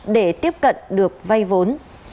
để tiếp cận được vay vốn